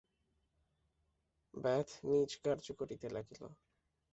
ব্যাধ নিজ কার্য করিতে লাগিল।